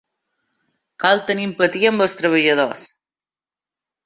Cal tenir empatia amb els treballadors.